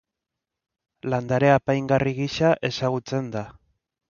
Landare apaingarri gisa ezagutzen da.